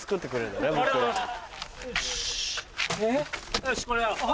よしこれだ。